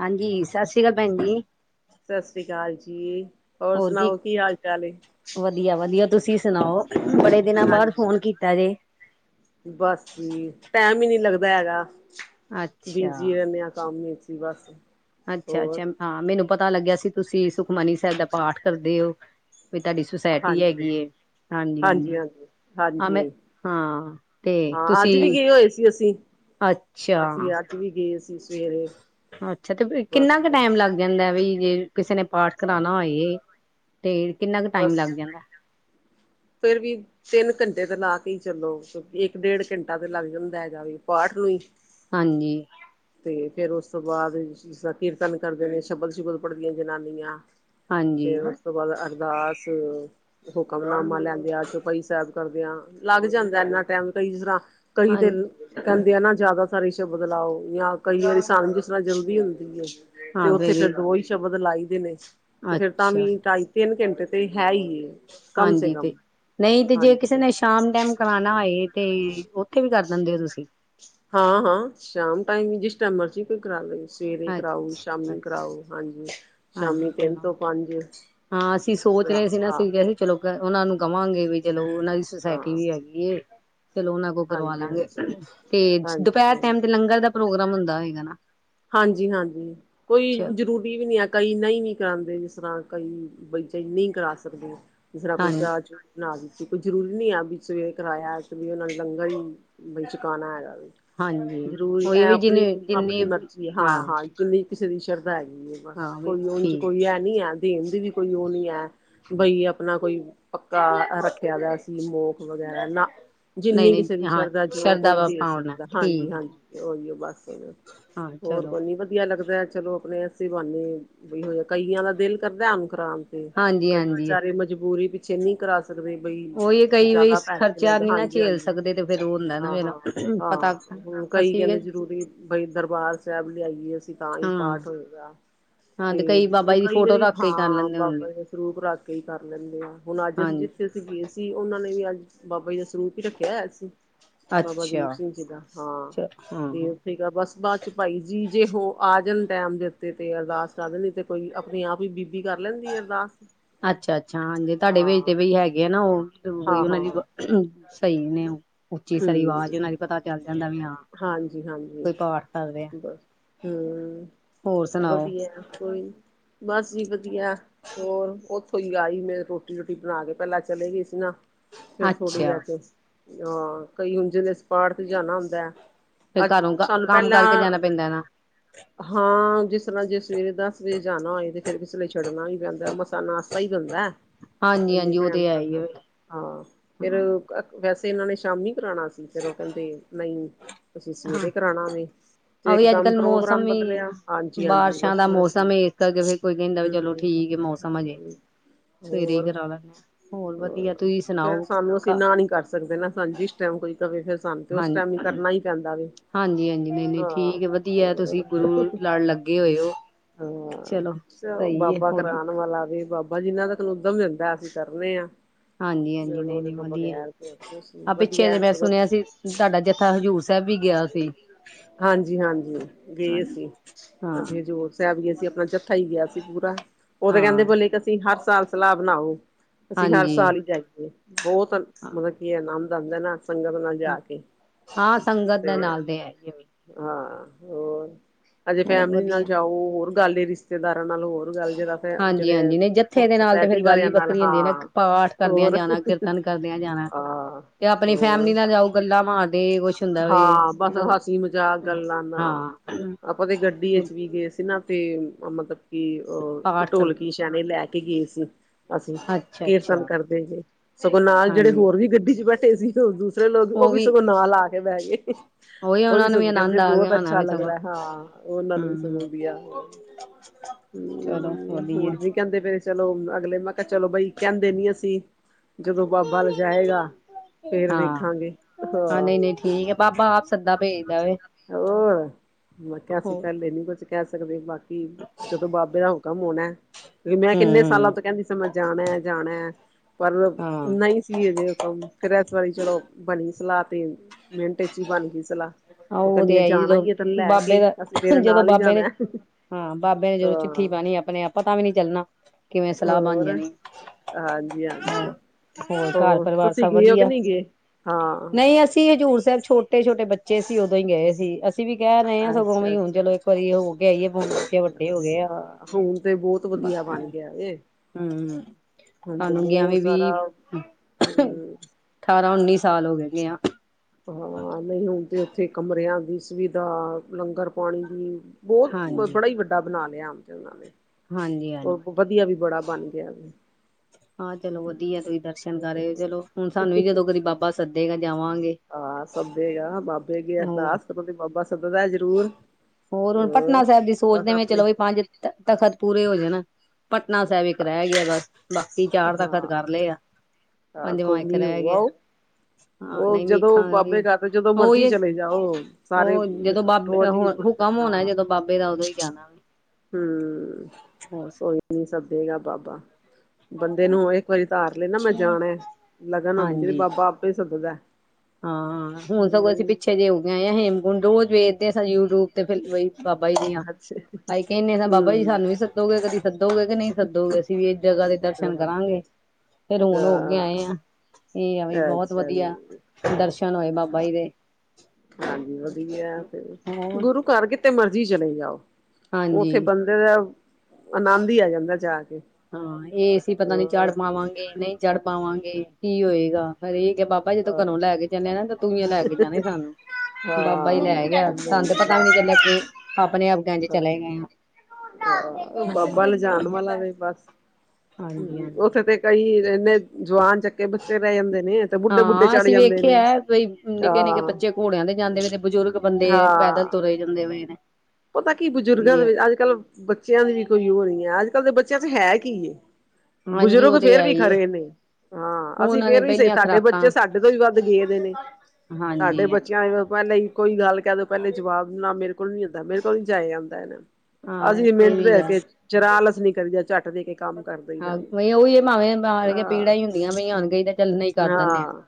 ਹਾਂਜੀ, ਸਤਿ ਸ੍ਰੀ ਅਕਾਲ ਭੈਣ ਜੀ! ਸਤਿ ਸ੍ਰੀ ਕਾਲ ਜੀ! ਹੋਰ ਸੁਣਾਓ ਕੀ ਹਾਲ ਚਾਲ ਏ? ਵਧੀਆ-ਵਧੀਆ! ਤੁਸੀਂ ਸੁਣਾਓ, ਬੜੇ ਦਿਨਾਂ ਬਾਅਦ ਹਾਂਜੀ, ਫੋਨ ਕੀਤਾ ਜੇ। ਬਸ ਜੀ ਟੈਮ ਈ ਨੀ ਲੱਗਦਾ ਹੈਗਾ। ਅੱਛਾ ਬਿਜੀ ਰਹਿੰਦੇ ਆ, ਕੰਮ ਵਿਚ ਹੀ ਬਸ। ਹੋਰ ਅੱਛਾ-ਅੱਛਾ! ਹਾਂ, ਮੈਨੂੰ ਪਤਾ ਲੱਗਿਆ ਸੀ, ਤੁਸੀਂ ਸੁਖਮਨੀ ਸਾਹਿਬ ਦਾ ਪਾਠ ਕਰਦੇ ਓ। ਵੀ ਤੁਹਾਡੀ ਸੁਸਾਇਟੀ ਹਾਂਜੀ। ਹੈਗੀ ਏ। ਹਾਂਜੀ, ਹਾਂਜੀ-ਹਾਂਜੀ! ਹਾਂਜੀ, ਹਾਂ, ਮੈਂ ਹਾਂਜੀ ਹਾਂ ਤੇ ਹਾਂ ਅੱਜ ਤੁਸੀਂ ਵੀ ਗਏ ਹੋਏ ਸੀ ਅਸੀਂ। ਅੱਛਾ, ਅਸੀਂ ਅੱਜ ਵੀ ਗਏ ਸੀ ਸਵੇਰੇ, ਅੱਛਾ, ਤੇ ਫੇਰ ਬਸ ਕਿੰਨਾ ਕ ਫਿਰ ਟਾਈਮ ਲੱਗਦਾ? ਕਹਿੰਦਾ ਵਈ ਜੇ ਕਿਸੇ ਨੇ ਪਾਠ ਕਰਾਣਾ ਹੋਏ, ਤੇ ਕਿੰਨਾ ਕੁ ਟਾਈਮ ਲੱਗ ਜਾਂਦਾ? ਫੇਰ ਵੀ? ਤਿੰਨ ਘੰਟੇ ਤੇ ਲਾ ਕੇ ਚਲੋ, ਕਿਉਂਕਿ ਇੱਕ-ਡੇਢ ਘੰਟਾ ਤੇ ਲੱਗ ਜਾਂਦਾ ਹੈਗਾ ਪਾਠ ਨੂੰ ਈ। ਹਾਂਜੀ। ਤੇ ਫੇਰ ਉਸ ਤੋਂ ਬਾਅਦ ਜਿਸਰਾ ਕੀਰਤਨ ਕਰਦੇ ਨੇ, ਸ਼ਬਦ-ਸ਼ੁਬਦ ਪੜ੍ਹਦੀਆਂ ਜਨਾਨੀਆਂ। ਹਾਂਜੀ ਫੇਰ ਉਸ ਤੋਂ ਬਾਅਦ ਅਰਦਾਸ, ਹੁਕਮਨਾਮਾ ਲੈਂਦੇ ਆ ਚੌਪਈ ਸਾਹਿਬ, ਕਰਦੇ ਆ। ਲੱਗ ਜਾਂਦਾ ਇੰਨਾ ਟਾਈਮ! ਕਈ ਜਿਸ ਤਰ੍ਹਾਂ ਕਈ ਹਾਂ ਤੇ ਕਹਿੰਦੇ ਆ ਨਾ ਜ਼ਿਆਦਾ ਸਾਰੇ ਸ਼ਬਦ ਲਾਓ ਯਾਂ ਕਈ ਵਾਰੀ ਸਾਨੂੰ, ਜਿਸਰਾਂ ਜਲਦੀ ਹੁੰਦੀ ਐ, ਤੇ ਹਾਂ ਉੱਥੇ ਫੇਰ ਬੇਬੀ ਦੋ ਈ ਸ਼ਬਦ ਲਾਈ ਦੇ ਨੇ। ਤੇ ਫੇਰ, ਤਾਂ ਅੱਛਾ ਵੀ ਢਾਈ-ਤਿੰਨ ਘੰਟੇ ਤੇ ਹੈ ਈ ਏ, ਕਮ ਸੇ ਕਮ। ਨਈ ਤੇ, ਜੇ ਕਿਸੇ ਹਾਂਜੀ ਨੇ ਸ਼ਾਮ ਟਾਈਮ ਕਰਾਉਣਾ ਹੋਏ, ਤੇ ਉੱਥੇ ਵੀ ਕਰ ਦਿੰਦੇ ਓ ਤੁਸੀਂ? ਹਾਂ-ਹਾਂ, ਸ਼ਾਮ ਟਾਈਮ ਵੀ! ਜਿਸ ਟਾਈਮ ਮਰਜ਼ੀ ਕੋਈ ਕਰਾ ਲੇ, ਸਵੇਰੇ ਕਰਾਓ, ਅੱਛਾ ਸ਼ਾਮੀ ਅੱਛਾ ਕਰਾਓ। ਹਾਂਜੀ, ਸ਼ਾਮੀ ਹਾਂਜੀ ਤਿੰਨ ਚਲੋ ਤੋਂ ਪੰਜ। ਹਾਂ, ਅਸੀਂ ਸੋਚ ਹਾਂ ਰਏ ਸੀ ਨਾ, ਅਸੀਂ ਕਿਆ ਸੀ, ਚਲੋ ਉਹਨਾ ਨੂੰ ਕਵਾਂਗੇ ਵੀ, ਚਲੋ ਉਹਨਾਂ ਦੀ ਹਾਂ ਸੋਸਾਇਟੀ ਵੀ ਹੈਗੀ ਏ। ਚਲੋ ਉਹਨਾਂ ਕੋ ਕਰਵਾ ਹਾਂਜੀ ਲਾਂਗੇ। ਹਾਂਜੀ ਤੇ ਹਾਂਜੀ ਦੁਪਹਿਰ ਹਾਂਜੀ ਟਾਈਮ ਤੇ ਲੰਗਰ ਦਾ ਪ੍ਰੋਗਰਾਮ ਹੁੰਦਾ ਹੋਏਗਾ ਨਾ? ਹਾਂਜੀ-ਹਾਂਜੀ, ਕੋਈ ਚਲ ਜਰੂਰੀ ਵੀ ਨਹੀਂ ਆ। ਕਈ ਨਹੀਂ ਵੀ ਕਰਾਂਦੇ, ਜਿਸਰਾ ਕਈ ਬਈ ਚ ਨਈ ਕਰਾ ਸਕਦੇ। ਜਿਸ ਤਰ੍ਹਾਂ ਕੋਈ ਹਾਂਜੀ ਚਾਹ-ਚੁ ਬਣਾ ਦਿੱਤੀ, ਕੋਈ ਜ਼ਰੂਰੀ ਨਹੀਂ ਆ ਬੀ ਸਵੇਰੇ ਕਰਾਇਆ ਤੇ ਵੀ ਉਹਨਾਂ ਨੇ ਲੰਗਰ ਹੀ ਬਈ ਛਕਾਉਣਾ ਹੈਗਾ, ਵੀ। ਹਾਂਜੀ ਜ਼ਰੂਰੀ ਉਹੀ ਇਹ ਵੀ ਜਿੰਨੇ ਆਪਣੀ-ਆਪਣੀ ਜਿੰਨੀ ਮਰਜੀ ਆ! ਹਾਂ ਹਾਂ-ਹਾਂ, ਕਿਨੀ ਕਿਸੇ ਦੀ ਸ਼ਰਧਾ ਹੈਗੀ ਐ, ਬਸ! ਹਾਂ ਵੀ ਕੋਈ ਉਹ 'ਚ ਕੋਈ ਠੀਕ ਐ ਨੀ ਐ। ਦੇਣ ਦੀ ਵੀ ਕੋਈ ਓ ਨੀ ਐ ਬਈ ਆਪਣਾ ਕੋਈ ਕਾ ਰੱਖਿਆ ਵਾ ਸੀ, ਮੋਕ ਵਗੈਰਾ, ਨਾ ਨਹੀਂ ਜਿੰਨੀ ਨਹੀਂ ਕਿਸੇ ਦੀ ਹਾਂ ਸ਼ਰਧਾ, ਜੋ ਕੋਈ ਸ਼ਰਧਾ ਦੇ ਭਾਵਨਾ ਸਕਦਾ। ਠੀਕ ਹਾਂਜੀ, ਹੈ ਠੀਕ ਹਾਂਜੀ, ਓ ਈ ਓ ਬਸ ਹਾਂ ਹੋਰ ਚਲੋ ਕੋਈ ਨੀ ਵਧੀਆ ਲੱਗਦਾ। ਚਲੋ, ਆਪਣੇ ਐਸੀ ਬਾਨੇ ਕਈਆਂ ਦਾ ਦਿਲ ਕਰਦਾ ਕਰਾਉਣ ਤੇ ਹਾਂਜੀ ਕਈ ਹਾਂਜੀ ਵਿਚਾਰੇ ਮਜਬੂਰੀ ਪਿੱਛੇ ਨਹੀਂ ਕਰਾ ਸਕਦੇ। ਸਕਦੇ, ਉਹੀ ਬਈ ਕਈ ਵਾਰੀ ਜਾਦਾ ਪੈਸੇ ਖਰਚਾ ਲੱਗ ਨਹੀਂ ਨਾ ਹਾਂਜੀ, ਝੇਲ ਹਾਂਜੀ, ਸਕਦੇ ਤੇ ਫੇਰ ਉਹ ਹੁੰਦਾ ਨਾ ਹਾਂ, ਹਾਂ, ਫੇਰ ਪਤਾ ਹਾਂ! ਹਾਂ, ਕਈ ਅਸੀਂ ਕਹਿੰਦੇ, ਵੀ ਜਰੂਰੀ ਬਈ ਦਰਬਾਰ ਸਾਹਿਬ ਲਿਆਈਏ, ਅਸੀਂ ਤਾਂ ਈ ਹਾਂ ਪਾਠ ਹੋਏਗਾ। [inaudible] ਹਾਂ ਤੇ ਕਈ ਬਾਬਾ ਜੀ ਦੀ ਕਈ ਫੋਟੋ ਵਾਰੀ, ਰੱਖ ਕੇ ਹੀ ਕਰ ਹਾਂ, ਲੈਂਦੇ ਬਾਬਾ ਹੋਣਗੇ ਜੀ ਦਾ ਸਰੂਪ ਰੱਖ ਕੇ ਈ ਕਰ ਲੈਂਦੇ ਆ। ਹੁਣ ਅੱਜ ਅਸੀਂ ਹਾਂਜੀ ਜਿੱਥੇ ਗਏ ਸੀ, ਉਨ੍ਹਾਂ ਨੇ ਵੀ ਅੱਜ ਬਾਬਾ ਜੀ ਦਾ ਸਰੂਪ ਈ ਰੱਖਿਆ ਹੋਇਆ ਸੀ। ਬਾਬਾ ਦੀਪ ਅੱਛਾ ਸਿੰਘ ਜੀ ਦਾ, ਹਾਂ, ਚ ਹਾਂ ਤੇ ਹਾਂ ਓ ਠੀਕ ਆ, ਬੱਸ ਬਾਅਦ 'ਚ ਭਾਈ ਜੀ ਜੇ ਹੋ ਆ ਜਾਣ ਟੈਮ ਦੇ ਤੇ ਤੇ ਅਰਦਾਸ ਕਰ ਦਿੰਦੀ, ਤੇ ਕੋਈ ਆਪਣੇ ਆਪ ਹੀ ਬੀਬੀ ਕਰ ਲੈਂਦੀ ਅਰਦਾਸ। ਅੱਛਾ, ਅੱਛਾ, ਹਾਂਜੀ! ਤੁਹਾਡੇ ਵੇ ਹਾਂ ਤੇ ਵਈ ਹੈਗੇ ਆ ਨਾ ਉਹ, ਵਈ ਹਾਂ ਉਹਨਾਂ ਹਾਂ ਦੀ ਸਹੀ ਨੇ ਉਹ ਉੱਚੀ ਸਾਰੀ ਆਵਾਜ਼ ਹੂੰ ਉਨ੍ਹਾਂ ਦੀ, ਪਤਾ ਚੱਲ ਜਾਂਦਾ ਵੀ ਹਾਂ, ਹਾਂਜੀ ਕੋਈ ਪਾਠ ਕਰ ਰਿਹਾ ਆ। ਹਮ, ਵਧੀਆ! ਕੋਈ ਨੀ, ਬਸ ਜੀ ਵਧੀਆ। ਹੋਰ, ਉਥੋਈ ਆਈ ਮੈਂ। ਰੋਟੀ-ਰੂਟੀ ਬਣਾ ਕੇ ਪਹਿਲਾਂ ਚਲੇ ਗਈ ਸੀ ਨਾ। ਫੇਰ ਥੋਡੀ ਅੱਛਾ ਇਫਰਟਸ ਹਾ ਕਈ ਉਜੇ ਦੇ ਸਪਾਰਕ ਤੇ ਜਾਣਾ ਹੁੰਦਾ ਐ ਫੇਰ ਅੱਜ ਘਰੋਂ ਸਾਨੂੰ ਕੰਮ ਕਰਕੇ ਪਹਿਲਾਂ ਜਾਣਾ ਪੈਂਦਾ ਨਾ ਹਾਂ, ਜਿਸ ਤਰ੍ਹਾਂ ਜੇ ਸਵੇਰੇ ਦਸ ਵਜੇ ਜਾਣਾ ਹੋਏ, ਤੇ ਫੇਰ ਕਿਸਲੇ ਛੱਡਣਾ ਵੀ ਪੈਂਦਾ ਐ ਮਸਾ ਨਾਸ਼ ਹਾਂਜੀ ਹਾਂਜੀ ਉਹ ਤੇ ਹੈ ਹੀ [unintelligible] ਹਾਂ ਫਿਰ ਅ, ਵੈਸੇ ਇਹਨਾਂ ਨੇ ਸ਼ਾਮੀ ਕਰਾਣਾ ਸੀ, ਫੇਰ ਓ ਕਹਿੰਦੇ, ਨਹੀਂ, ਅਸੀਂ ਹਾਂ ਸਵੇਰੇ ਕਰਾਣਾ ਵੇ! ਤੇ ਇਕ ਅਵੀ ਅੱਜ ਦਮ ਕੱਲ੍ਹ ਮੌਸਮ ਪ੍ਰੋਗਰਾਮ ਵੀ ਹੈ ਬਦਲਿਆ! ਨਾ ਹਾਂਜੀ, ਹਾਂਜੀ, ਬਾਰਿਸ਼ਾਂ ਬਸ, ਦਾ ਹਮ। ਮੌਸਮ ਇਸ ਕਰਕੇ ਫਿਰ ਕੋਈ ਕਹਿੰਦਾ ਵੀ ਚਲੋ ਠੀਕ ਹੈ ਮੌਸਮ ਹਜੇ ਸਵੇਰੇ ਹੀ ਹੋਰ, ਹੋਰ ਕਰਾ ਲੈਂਦੇ ਹਾਂ ਹੋਰ ਵਧੀਆ ਅਅ, ਤੁਸੀਂ ਫੇਰ ਸੁਣਾਓ ਸਾਨੂੰ ਅਸੀਂ ਨਾ ਨੀ ਕਰ ਸ ਸਕਦੇ ਨਾ, ਹਾਂਜੀ, ਜਿਸ ਟਾਈਮ ਕੋਈ ਕਵੇ, ਫੇਰ ਸਾਨੂੰ ਤੇ ਉਸ ਟਾਈਮ ਈ ਕਰਨਾ ਈ ਪੈਂਦਾ ਵੇ। ਹਾਂਜੀ-ਹਾਂਜੀ, ਨਈ-ਨਈ, ਹਾਂ ਠੀਕ, ਵਧੀਆ! ਤੁਸੀਂ ਗੁਰੂ ਹੋਰ ਲੜ ਲੱਗੇ ਹੋਏ ਓ। ਹਾਂ, ਸਭ ਬਾਬਾ ਹੋਰ ਕਰਾਣ ਵਾਲਾ ਵੇ, ਬਾਬਾ ਜੀ ਨਾਨਕ ਉੱਦਮ ਦਿੰਦਾ, ਅਸੀਂ ਕਰ ਰੇ ਆ। ਹਾਂਜੀ, ਹਾਂਜੀ, ਜਦੋਂ ਉਹਦੇ ਨਹੀਂ-ਨਹੀਂ, ਤੋਂ ਵਧੀਆ ਬਗੈਰ ਹੋਰ ਕੁਛ ਨੀ ਆ! ਪਿੱਛੇ ਜੇ ਵਧੀਆ ਮੈਂ ਸਗੋਂ ਸੁਣਿਆ ਸੀ ਤੁਹਾਡਾ ਜਥਾ ਹਜ਼ੂਰ ਸਾਹਿ ਤੈ ਵੀ ਗਿਆ ਸੀ। ਹਾਂਜੀ ਹਾਂਜੀ ਗੇ ਹਾਂਜੀ ਸੀ ਹਾਂ ਅਸੀਂ ਹਜ਼ੂਰ ਸੈਬ। ਗੇ ਸੀ ਆਪਣਾ ਜੱਥਾ ਈ ਗਿਆ ਸੀ ਪੂਰਾ, ਓ ਤਾਂ ਕੈਂਦੇ ਹਾਂ ਬੋਲੇ ਕਿ ਅਸੀਂ ਹਰ ਸਾਲ ਸਲਾਖ ਬਣਾਓ। ਅਸੀਂ ਹਰ ਹਾਂਜੀ ਸਾਲ ਈ ਜਾਈਏ, ਬੋਤ ਹਾਂ ਮਤਬ ਕੀ ਆਨੰਦ ਆਂਦਾ ਨਾ। ਸੰਗਤ ਨਾਲ ਹਾਂ ਜਾ ਕੇ। ਹਾਂ ਸੰਗਤ ਤੇ ਦੇ ਨਾਲ ਦੇ ਹੈ ਜੀ। ਹਾਂ ਹੋਰ ਹਜੇ ਹੋਰ ਫੈਮਿਲੀ ਨਾਲ ਵਧੀਆ ਜਾਓ। ਹੋਰ ਗੱਲ ਏ, ਰਿਸ਼ਤੇਦਾਰਾਂ ਨਾਲ ਹੋਰ ਗੱਲ। ਜੜਾ ਫੇਰ ਜੇੜੇ ਹਾਂਜੀ-ਹਾਂਜੀ ਨਹੀਂ ਜੱਥੇ ਦੇ ਨਾਲ ਤੇ ਫੇਰ ਸੁਸਾਇਟੀ ਗੱਲ ਹੀ ਵਾਲਿਆਂ ਨਾਲ ਵੱਖਰੀ ਹਾਂ ਹੁੰਦੀ ਨਾ ਪਾਠ ਕਰਦਿਆਂ ਹੋਰ ਜਾਣਾ, ਕੀਰਤਨ ਕਰਦਿਆਂ ਜਾਣਾ, ਹਾਂ ਤੇ ਆਪਣੀ ਹੋਰ ਫੈਮਿਲੀ ਨਾਲ ਜਾਓ, ਗੱਲਾਂ ਮਾਰਦੇ ਕੁਛ ਹੁੰਦਾ ਵੀ ਹਾਂ ਬਸ ਉਹ ਹਸੀ ਮਜ਼ਾਕ ਗੱਲਾਂ ਨਾਲ ਹਾਂ ਓਦੀ ਗੱਡੀ ਤੇ ਇਚ ਵੀ ਗਏ ਸੀ ਨਾ ਤੇ ਓ ਮਤਬ ਕੀ ਅ ਪਾਠ ਕਰਦੇ ਢੋਲਕੀ ਜਾਂਣੇ ਲੈਕੇ ਗੇ ਸੀ। ਅਸੀਂ ਕੀਰਤਨ ਅੱਛਾ-ਅੱਛਾ ਕਰਦੇ ਗਏ, ਸਗੋਂ ਨਾਲ ਜੜੇ ਹਾਂਜੀ ਹੋਰ ਵੀ ਗੱਡੀ 'ਚ ਬੈਠੇ ਸੀ ਓ ਦੂਸ ਦੂਸਰੇ ਲੋਗ ਓ ਵੀ ਸਗੋਂ ਨਾਲ ਆ ਕੇ ਬੈ ਗੇ। ਉਹੀ ਓ ਉਹਨਾ ਵੀ ਨੂੰ ਸਗੋ ਕੈਂਦੇ ਆਨੰਦ ਆ ਗਿਆ ਬੋਤ ਹੋਣਾ ਅੱਛਾ ਵੀ ਲੱਗ ਸਗੋਂ ਰਾ, ਹਾਂ ਓਨਾਂ ਨੂੰ ਵੀ ਹੂੰ ਸੋਂਦੀ ਆ। ਚਲੋ ਵਧੀਆ। ਕੈਂਦੇ ਪਏ ਚਲੋ ਅਗਲੇ, ਮੈਂ ਕਿਆ ਚਲੋ ਬਈ ਕੈਂਦੇ ਨੀ ਅਸੀਂ ਜਦੋਂ ਬਾਬਾ ਲਜਾਏਗਾ, ਫੇਰ ਹਾਂ-ਹਾਂ ਵੇਖਾਂਗੇ ਹਾਂ। ਨਹੀਂ-ਨਹੀਂ ਠੀਕ ਏ ਬਾਬਾ ਆਪ ਸੱਦਾ ਭੇਜ ਹੋਰ ਮੈਂ ਕਿਆ ਅਸੀਂ ਪੈਲੇ ਨੀ ਕੁਝ ਕੈ ਸਕਦੇ ਬਾਕੀ ਕੀ ਜਦੋਂ ਬਾਬੇ ਦਾ ਹੁਕਮ ਹੋਣਾ, ਵੀ ਮੈਂ ਕਿੰਨੇ ਸਾਲਾਂ ਹੂੰ-ਹੂੰ ਤੋਂ ਕੈਂਦੀ ਸੀ। ਤੇ ਮੈਂ ਜਾਣਾ ਐ, ਜਾਣਾ ਐ। ਪਰ ਹਾਂ ਨਈ ਸੀ ਅਜੇ ਹੁਕਮ ਫੇਰ ਏਸ ਵਾਰੀ ਚਲੋ ਬਣੀ ਸਲਾਅ ਤੇ ਮਿੰਟ 'ਚ ਈ ਬਣ ਗੀ ਸਲਾਅ। ਹਾਂ ਓ ਉਹ ਤੇ ਕੈਂਦੀਆਂ ਹੈ ਹੀ ਜਾਣਾ ਜਦੋਂ ਈ ਏ ਤੈਨੂੰ ਲੈ ਬਾਬੇ ਕੇ ਦਾ ਅਸੀਂ ਤੇਰੇ ਜਦੋਂ ਨਾਲ ਈ ਬਾਬੇ ਨੇ ਜਾਣਾ। ਹਾਂ ਬਾਬੇ ਨੇ ਜਦੋਂ ਚਿੱਠੀ ਹਾਂ ਪਾਣੀ ਆਪਣੇ ਆਪ, ਪਤਾ ਵੀ ਨੀ ਚੱਲਣਾ ਕਿਵੇਂ ਸਲਾਅ ਬਣ ਜਾਣੀ। ਹਾਂਜੀ-ਹਾਂਜੀ। ਹੋਰ ਘਰ ਪਰਿੜਵਾਰ ਸਭ ਵਧੀਆ। ਗਏ ਹਾਂ ਨਈ ਅਸੀਂ ਹਜ਼ੂਰ ਜਦ ਛੋਟੇ- ਛੋਟੇ ਬੱਚੇ ਸੀ ਓਦੋਂ ਈ ਗਏ ਸੀ, ਅਸੀਂ ਵੀ ਕੈ ਰਏਂ ਆਂ ਸਗੋਂ ਅੱਛਾ ਵੀ ਹੁਣ ਅੱਛਾ ਚਲੋ ਇੱਕ ਵਾੜਰੀ ਹੋ ਕੇ ਆਈਏ। ਹੁਣ, ਬੱਚੇ ਵੱਡੇ ਹੋ ਗੇ ਆ। ਹਾਂ ਹੁਣ ਤੇ ਬਹੁਤ ਵਧੀਆ ਬਣ ਗਿਆ ਏ ਹੂੰ, ਹੁਣ ਤੇ ਹਾਨੂੰ ਗਿਆਂ ਬਹੁਤ ਵੀ ਸਾਰਾ ਹੂੰ ਠਾਰਾਂ- ਉੱਨੀ ਸਾਲ ਹੋ ਗੇ ਗਿਆਂ। ਹਾਂ, ਨਈ ਹੁਣ ਤੇ ਓਥੇ ਕਮਰਿਆਂ ਦੀ ਸੁਵਿਧਾ, ਲੰਗਰ ਪਾਣੀ ਦੀ ਬੇਤ, ਹਾਂਜੀ ਬੜਾ ਈ ਵੱਡਾ ਬਣਾ ਲਿਆ ਹੁਣ ਤੇ ਓਨਾਂ ਨੇ। ਹਾਂਜੀ- ਹਾਂ ਉਹ ਵਧੀਆ ਵੀ ਬੜਾ ਬਣ ਗਿਆ ਵੀ। ਹਾਂ, ਚਲੋ ਵਧੀਆ ਤੁਸੀਂ ਦਰਸ਼ਨ ਕਰ ਰੇ ਓ ਚਲੋ, ਹੁਣ ਸਾਨੂੰ ਵੀ ਜਦੋਂ ਕਦੀ ਬਾਬਾ ਸੱਦੇਗਾ ਜਾਵਾਂਗੇ। ਹਾਂ ਸੱਦੇਗਾ, ਬਾਬੇ ਅਗੇ ਹੋਰ, ਅਰਦਾਸ ਕਰੋ ਤੇ ਬਾਬਾ ਸੱਦਦਾ ਜ਼ਰੂ ਹੋਰ ਹੁਣ ਪਟਨਾ ਸੈਬ ਦੀ ਬਸ ਸੋਚਦੇ ਵਏਂ, ਆਪਣੇ ਚਲੋ ਵਈ ਪੰਜ ਤਖ਼ਤ ਪੂਰੇ ਹੋ ਜਣਨ, ਪਟਨਾ ਸੈਬ ਇੱਕ ਰੈ ਗਿਆ ਬਸ। ਬਾ ਕੀ ਚਾਰ ਤਖ਼ਤ ਹਾਂ ਕਰ ਲੇ ਆ, ਹਾਂ ਪੰਜਵਾਂ ਕੋਈ ਇੱਕ ਨੀ ਰੈ ਹੋ ਗਿਆ। ਆਓ ਹਾਂ ਉਹ ਨਈ ਜਦੋਂ ਵੇਖਾਂਗੇ ਬਾਬੇ ਵੀ, ਘਰ ਤੇ ਜਦੋਂ ਮਰਜ਼ੀ ਓਈਓ ਚਲੇ ਜਾਓ ਸਾਰੇ ਓ ਜਦੋਂ ਬਾਬੇ ਦ ਰੋਜ਼ ਹੀ ਹੋ ਹੁਕਮ ਹੋਣਾ, ਜਦੋਂ ਬਾਬੇ ਦਾ ਓਦੋਂ ਈ ਜਾਣਾ। ਹਮ ਹੋਰ ਕੋਈ ਨੀ ਸੱਦੇਗਾ ਬਾਬਾ। ਬੰਦੇ ਨੂੰ ਇੱਕ ਵਾਰੀ ਧਾਰ ਲੇ ਨਾ ਮੈਂ ਜਾਣਾ, ਲਗਨ ਹੋਣੀ ਚਾਹੀਦੀ, ਹਾਂਜੀ। ਬਾਬਾ ਆਪੇ ਸੱਦਦਾ। ਹਾਂ, ਹਾਂ ਹੁਣ ਸਗੋਂ ਅਸੀਂ ਹੂੰ ਪਿੱਛੇ ਜੇ ਹੋਕੇ ਆਏ ਹੇਮਕੁੰਡ ਰੋਜ਼ ਵੇਖਦੇ ਸਾਂ ਯੂਟਿਊਬ ਤੇ ਫਿਰ ਵੀ। ਬਾਬਾ ਜੀ ਦੀਆਂ, ਅੱਛਾ ਅਸੀਂ ਕਹਿਨੇ ਆ, ਹੂੰ ਬਾਬਾ ਜੀ ਸਾਨੂੰ ਵੀ ਸ ਸਦੋਗੇ ਕਦੀਂ, ਸੱਦੋਗੇ ਕੇ ਨਹੀਂ ਸੱਦੋਗੇ, ਅਸੀਂ ਵੀ ਇਹ ਜਗ੍ਹਾ ਦੇ ਹਾਂ ਦਰਸ਼ਨ ਕਰਾਂਗੇ। ਫਿਰ ਹੁਣ ਹੋ ਕੇ ਹਾਂ ਆਏ ਆ, ਇਹ ਆ ਵੀ ਬਹੁਤ ਅੱਛਾ ਜੀ ਵਧੀਆ। ਦਰਸ਼ਨ ਹੋਏ ਬਾਬਾ ਹਾਂ ਜੀ ਦੇ। ਹਾਂਜੀ ਵਧੀਆ ਫਿਰ, ਹੋਰ ਗੁਰੂ ਘਰ ਕਿਤੇ ਮਰਜ਼ੀ ਚਲੇ ਜਾਓ। ਉੱਥੇ ਹਾਂਜੀ ਬੰਦੇ ਦਾ, ਆਨੰਦ ਹੀ ਆ ਜਾਂਦਾ ਜਾ ਕੇ। ਹਾਂ, ਇਹ ਸੀ ਪਤਾ ਨੀ ਚੜ੍ਹ ਹਾਂ ਪਾਵਾਂਗੇ, ਨਹੀਂ ਚੜ ਪਾਵਾਂਗੇ, ਕੀ ਹੋਏਗਾ ਫੇਰ ਇਹ ਕਹਿ ਬਾ ਜੇ ਤੂੰ ਹਾਂ ਘਰੋਂ ਲੈ ਕੇ ਚੱਲੇ ਆ, ਨਾ ਤਾਂ ਤੂਹੀਂਓ ਲੈ ਕੇ ਜਾਣੇ ਸਾਨੂੰ। ਬਾਬਾ ਜੀ ਲੈ ਗਿਆ, ਸਾਨੂੰ ਪਤਾ ਤੇ ਵੀ ਹਾਂ ਨੀ ਚੱਲਿਆ ਕੇ, ਆਪਣੇ- ਆਪ ਕਿੰਜ ਚਲੇ ਗਏ ਆ। [unintelligible] ਉਹ ਹਾਂ ਬਾਬਾ ਲਿਜਾਣ ਵਾਲਾ ਏ ਬਸ। ਹਾਂਜੀ ਹੂੰ ਹਾਂਜੀ ਉੱਥੇ ਤੇ ਕਈ ਇੰਨੇ ਜਵਾਨ ਚੱਕੇ-ਬੱਚੇ ਬਹਿ ਜਾਂਦੇ ਨੇ। ਤੇ ਬੁੱਢੇ ਬੁੱਢੇ ਹਾਂ, ਚੜ ਅਸੀਂ ਜਾਂਦੇ ਨੇ ਵੇਖਿਆ ਹੈ ਬਈ ਨਿੱਕੇ -ਨਿੱਕੇ ਹਾਂ ਬੱਚੇ ਘੋੜਿਆਂ ਦੇ ਜਾਂਦੇ ਵੇ, ਤੇ ਬਜ਼ੁਰਗ ਬੰਦੇ ਪੈਦਲ ਹਾਂ ਤੁਰ ਰਹੇ ਜਾਂਦੇ ਹੋਏ ਨੇ। ਪਤਾ ਕੀ, ਬਜ਼ੁਰਗਾਂ ਉਹੀ ਦੇ ਹੈ ਵੀ ਅੱਜ -ਕੱਲ ਬੱਚਿਆਂ ਦੀ ਵੀ ਕੋਈ ਉਹ ਨਹੀਂ ਹੈ, ਅੱਜ- ਕੱਲ ਦੇ ਬੱਚਿਆਂ 'ਚ ਹੈ ਕੀ ਏ ਹਾਂਜੀ ਉਹ ਬਜ਼ੁਰਗ ਤੇ ਫਿਰ ਹੈ ਵੀ ਹੀ ਹੈ ਖਰੇ ਨੇ। ਹਾਂ, ਅਸੀਂ ਉਹਨਾਂ ਨੇ ਫਿਰ ਵੀ ਸਹੀ, ਪਹਿਲੀਆਂ ਸਾਡੇ ਖੁਰਾਕਾਂ ਬੱਚੇ ਸਾਡੇ ਤੋਂ ਵੀ ਵਧ ਗਏ ਦੇ ਨੇ ਸਾਡੇ ਹਾਂਜੀ ਬੱਚਿਆਂ 'ਚ ਤਾਂ ਪਹਿਲਾਂ ਹੀ ਕੋਈ ਗੱਲ ਕਹਿ ਦੋ ਪਹਿਲੇ ਜਵਾਬ ਨਾ, ਮੇਰੇ ਕੋਲ ਨੀ ਹੁੰਦਾ ਮੇਰੇ ਕੋਲੋਂ ਨਹੀਂ ਜਾਇਆ ਜਾਂਦਾ ਇਹ ਨਾ ਹਾਂ ਅਸੀਂ ਇਹ ਮਿੰਟ ਵੀ ਦੇ ਗੱਲ ਕੇ, ਜਰਾ ਆਲਸ ਨਈ ਕਰੀਦੇ ਝੱਟ ਦੇ ਕੇ ਕੰਮ ਕਰ [inaudible] ਹਾਂ, ਦਈਦਾ ਵੀ ਉਹੀ ਏ ਨਾ ਭਾਵੇਂ ਮਾਰਕੇ ਹਾਂ ਪੀੜਾਂ ਹੀ ਹੁੰਦੀਆਂ ਪਈਆਂ ਹੁਣ ਕਈਦਾ ਚੱਲ ਨਹੀਂ ਕਰ ਦਿੰਦੇ ਆ। ਹਾਂ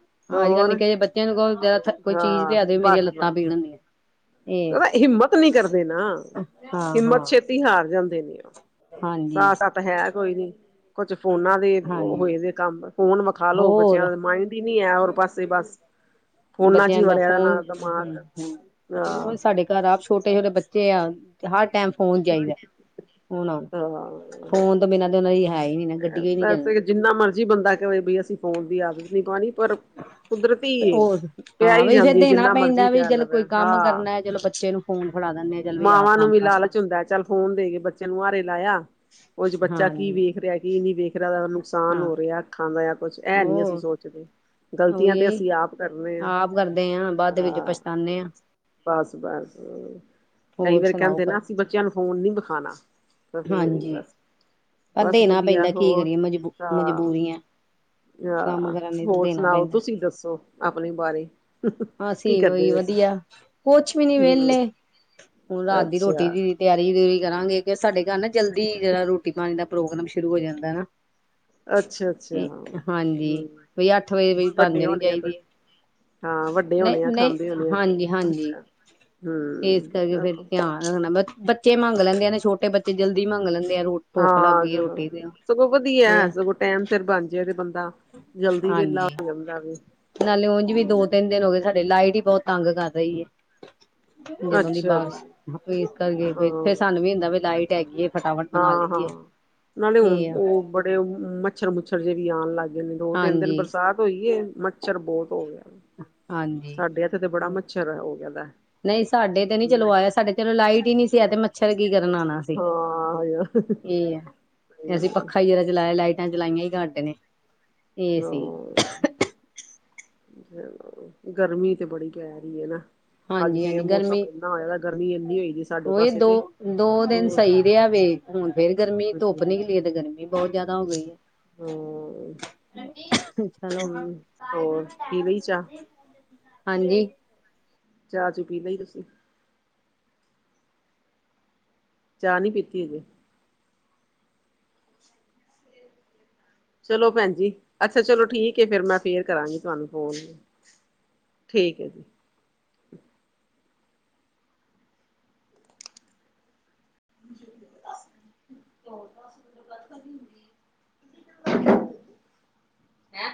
ਅੱਜਕਲ ਹੋਰ ਨਿੱਕੇ ਜਿਹੇ ਬੱਚਿਆਂ ਨੂੰ ਕਹੋ, ਜਾ ਸਾਨੂੰ ਕੋਈ ਚੀਜ਼ ਹਾਂ ਲਿਆ ਦੇ ਮੇਰੀਆਂ ਲੱਤ ਪੀੜ ਹੁੰਦੀਆਂ। ਇਹ ਉਹ ਹਿੰਮਤ ਨੀ ਕਰਦੇ ਨਾ, ਹਾਂ ਹਿੰਮਤ ਹਾਂ ਛੇਤੀ ਹਾਰ ਜਾਂਦੇ ਨੇ ਉਹ। ਹਾਂਜੀ ਸਾਹ ਸੱਤ ਹੈ ਕੋਈ ਨੀ, ਕੁਛ ਫੋਨਾ ਦੇ ਹਾਂਜੀ ਹੋਏ ਦੇ ਕੰਮ। ਫੋਨ ਵਿਖਾ ਲੋੋ, ਹੋਰ ਬੱਚਿਆਂ ਦੇ ਮਾਇੰਡ ਹੀ ਨੀ ਹੈ ਹੋਰ ਪਾਸੇ ਬਸ। ਫੋਨਾਂ ਚ ਬੱਚਿਆਂ ਹੀ ਦਾ ਵੜਿਆ ਫੋਨ ਨਾ ਹਮ ਦਿਮਾਗ ਹਮ ਹਾਂ ਫੋਨ ਸਾਡੇ ਘਰ ਆਪ ਛੋਟੇ- ਛੋਟੇ ਬੱਚੇ ਆ ਤੇ ਹਰ ਟੈਮ ਫੋਨ ਚਾਹੀਦਾ ਉਹਨਾ ਨੂੰ, ਹਾਂ ਫੋਨ ਤੋੰ ਬਿਨਾਂ ਤਾਂ ਉਹਨਾਂ ਦੀ ਹੈ ਹੀ ਨਹੀਂ ਵੈਸੇ ਜਿੰਨਾ ਮਰਜੀ ਬੰਦਾ ਕਹੇ ਬਈ, ਅਸੀਂ ਫੋਨ ਦੀ ਆਦਤ ਨਹੀਂ ਪਾਉਣੀ ਪਰ ਕੁਦਰਤੀ ਉਹ ਪਿਆ ਹਾਂ ਹੀ ਵੀ ਫਿਰ ਜਾਂਦੀ ਹੈ ਦੇਣਾ ਜਿੰਨਾ ਪੈਂਦਾ ਮਰਜ਼ੀ ਵੀ ਕਹਿ ਚਲ ਲਵੇ ਕੋਈ ਕੰਮ ਹਾਂ ਕਰਨਾ ਏ ਚਲੋ ਬ [unintelligible] ਬੱਚੇ ਨੂੰ ਫੋਨ ਫੜਾ ਦਿੰਨੇ ਆ। ਚਲ ਆਪ ਮਾਵਾਂ ਨੂੰ ਕੰਮ ਵੀ ਕਰ ਲਾਲਚ ਲਾਂਗੇ ਹੁੰਦਾ ਚੱਲ ਫੋਨ ਦੇ ਕੇ ਬੱਚੇ ਨੂੰ ਆਹਰੇ ਲਾਇਆ। ਕੁਛ ਬੱਚਾ ਕੀ ਹਾਂਜੀ ਵੇਖ ਰਿਹਾ ਕੀ ਨਹੀਂ ਵੇਖ ਰਿਹਾ ਨੁਕਸਾਨ ਹਾਂ ਹੋ ਰਿਹਾ ਅੱਖਾਂ ਦਾ ਕੁਛ ਇਹ ਨੀ ਅਸੀਂ ਉਹ ਸੋਚਦੇ ਗ਼ਲਤੀਆਂ ਤੇ ਉਹੀ ਅਸੀਂ ਆਪ ਕਰ ਰਹੇ ਆ ਆਪ ਕਰਦੇ ਆ ਬਾਅਦ ਵਿੱਚ ਹਾਂ ਪਛਤਾਨੇ ਆ ਬਸ ਬਸ ਕਈ ਹੋਰ ਵਾਰੀ ਸੁਣਾਓ ਕਹਿੰਦੇ ਨਾ ਅਸੀਂ ਬੱਚਿਆਂ ਨੂੰ ਫੋਨ ਨੀ ਵਿਖਾਉਣਾ ਤਾਂ ਫੇਰ ਹੀ ਹਾਂਜੀ ਬਸ ਪਰ ਬੱਸ ਦੇਣਾ ਵਧੀਆ ਪੈਂਦਾ ਕੀ ਹੋਰ ਕਰੀਏ ਮਜਬੂ ਮਜਬੂਰੀਆਂ ਕੰਮ ਹਾਂ ਕਰਨ ਲਈ ਤਾਂ ਹੋਰ ਦੇਣਾ ਸੁਣਾਓ ਤੁਸੀਂ ਪੈਂਦਾ ਦੱਸੋ ਆਪਣੇ ਬਾਰੇ ਕੀ ਅਸੀਂ ਉਹੀ ਕਹਿੰਦੇ ਹੋ ਤੁਸੀਂ ਵਧੀਆ ਕੁਛ ਵੀ ਨੀ ਹਮ ਵਿਹਲੇ ਹੁਣ ਰਾਤ ਦੀ ਰੋਟੀ ਅੱਛਾ ਦੀ ਤਿਆਰੀ ਤਿਉਰੀ ਕਰਾਂਗੇ ਕਿ ਸਾਡੇ ਘਰ ਨਾ ਜਲਦੀ ਜਰਾ ਰੋਟੀ ਰੋਟੀ ਪਾਣੀ ਦਾ ਪ੍ਰੋਗਰਾਮ ਸ਼ੁਰੂ ਹੋ ਜਾਂਦਾ ਹੈ ਨਾ। ਅੱਛਾ ਅੱਛਾ ਹਾਂਜੀ ਹਮ ਬਈ ਅੱਠ ਵਜੇ ਵੀ ਬਣ ਵੱਡੇ ਜਾਣੀ ਹੋਣੇ ਆ ਚਾਹੀਦੀ ਫਿਰ ਹੈ। ਹਾਂ ਵੱਡੇ ਹੋਣੇ ਆ ਨਹੀਂ ਖਾਂਦੇ ਨਹੀਂ ਹੋਣੇ ਆ ਫਿਰ ਹਾਂਜੀ ਹਾਂਜੀ ਅੱਛਾ ਏਸ ਹਮ ਕਰਕੇ ਫੇਰ ਚਲੋ ਧੈਆਨ ਰਖਣਾ [unintelligible] ਬੱਚੇ ਮੰਂਗ ਲੈਂਦੇ ਨੇ ਛੋਟੇ ਬੱਚੇ ਜਲਦੀ ਮੰਂਗ ਲੈਂਦੇ ਆ ਰੋ ਭੁੱਖ ਲੱਗ ਹਾਂ ਜ਼ ਗਈ ਰੋਟੀ ਤੇ ਸਗੋਂ ਵਦੀਆ ਇਹ ਆ ਸਗੋਂ ਟਾਈਮ ਸਿਰ ਬਣ ਜਾ ਤੇ ਬੰਦਾ ਜਲਦੀ ਵੇਲਾ ਹਾਂਜੀ ਹੋ ਜਾਂਦਾ ਵੇ। ਨਾਲੇ ਉਂਝ ਵੀ ਦੋ-ਤੇਨ ਦਿਨ ਹੋ ਗਏ ਸਾਡੇ ਲਾਈਟ ਈ ਬਹੁਤ ਤੰਗ ਕਰ ਰਈ ਆ। [unintelligible] ਜਦੋਂ ਦੀ ਅੱਛਾ ਜੀ ਬਾਕਸ ਏਸ ਕਰਕੇ ਏ ਫੇਰ ਸਾਨੂੰ ਵੀ ਹੁੰਦਾ ਵੀ ਲਾਈਟ ਹੈਗੀ ਏ ਫਟਾਫ ਹਾਂ-ਹਾਂ ਨਾਲੇ ਹੁ ਓ ਬੜੇ ਮੱਛਰ-ਮੁੱਛਰ ਜੇ ਵੀ ਆਣ ਲੱਗ ਗਏ ਨੇ ਦੋ-ਤਿਨ ਦਿਨ ਹਾਂਜੀ ਬਰਸਾਤ ਹੋਈਏ ਮੱਛਰ ਬੋਤ ਹੋ ਗੇਆ ਏ। ਹਾਂਜੀ [unintelligible] ਹੋ ਗਿਆ ਦਾ ਨਈ ਸਾਡੇ ਤੇ ਨੀ ਚਲੋ ਵਾਏਆ ਸਾਡੇ ਚਲੋ ਲਾਈਟ ਈ ਸੀ ਤੇ ਮੈ ਮੱਛਰ ਕੀ ਕਰਨ ਆਣਾ ਸੀਂ, ਹਾਂ ਏਆ ਅਸੀਂ ਪੱਖਾ ਏਓ ਜਾ ਲਾਏਆ ਲਾਈਟ ਮੈਂ ਚਲਾਈਆ ਈ ਘੱਟ ਨੇ। ਇਹ ਸੀ [unintelligible] ਗਰਮੀ ਤੇ ਬੜੀ ਪੈ ਰਈ ਏ ਨਾ। ਅੱਜ ਹਾਂਜੀ ਫੇਰ ਹਾਂਜੀ ਮੌਸਮ ਗਰਮੀ ਐਨਾ ਹੋਏਆ ਗਰਮੀ ਏਨੀ ਹੋਈ ਦੀ ਸਾਡੇ ਉਹੀ ਪਾਸੇ ਦੋ ਤੇ ਦੋ ਦਿਨ ਬੋਤ ਸਹੀ ਜਾਦਾ। ਰਿਹਾ ਵੇ ਹੁਣ ਫੇਰ ਗਰਮੀ ਧੁੱਪ ਨੇਲੀਏ ਤੇ ਗਰਮੀ ਬੌ ਜਾਦਾ ਹੋ ਗਈ ਏ। ਹੂੰ। ਚਲੋ, ਹੋਰ [unintelligible] ਪੀ ਲਈ ਚਾਹ ਹਾਂਜੀ। ਚਾਅ-ਚੂ ਪੀ ਲਈ ਤੁਸੀਂ? ਚਾਅ ਨੀ ਪੀਤੀ ਅਜੇ। ਚਲੋ ਭੈਣ ਜੀ, ਅੱਛਾ ਚਲੋ ਠੀਕ ਏ ਫੇਰ ਮੈਂ ਫੇਰ ਕਰਾਂਗੀ ਤੁਆਨੂੰ ਫੂਨ। ਠੀਕ ਏ ਜੀ। [unintelligible] [inaudible] ਹੈਂ,